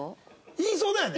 言いそうだよね。